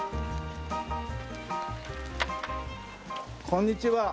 こんにちは。